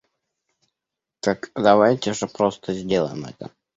Так давайте же просто сделаем это!